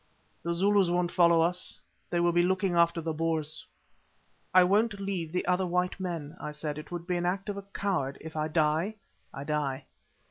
The Zulus won't follow us, they will be looking after the Boers." "I won't leave the other white men," I said; "it would be the act of a coward. If I die, I die."